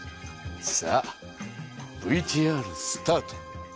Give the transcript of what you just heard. さあＶＴＲスタート。